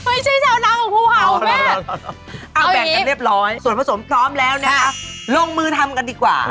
ไม่ใช่ชาวนาของภูเห่าแม่เอาแบ่งกันเรียบร้อยส่วนผสมพร้อมแล้วนะคะลงมือทำกันดีกว่า